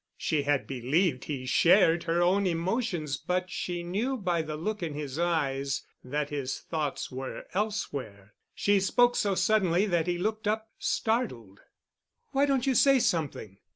She had believed he shared her own emotions, but she knew by the look in his eyes that his thoughts were elsewhere. She spoke so suddenly that he looked up, startled. "Why don't you say something?